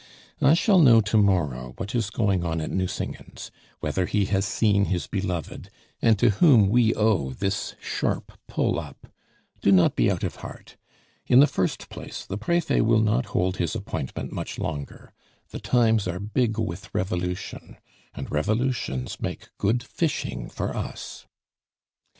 I shall know to morrow what is going on at Nucingen's, whether he has seen his beloved, and to whom we owe this sharp pull up. Do not be out of heart. In the first place, the Prefet will not hold his appointment much longer; the times are big with revolution, and revolutions make good fishing for us."